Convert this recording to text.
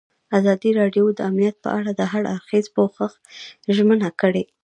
ازادي راډیو د امنیت په اړه د هر اړخیز پوښښ ژمنه کړې.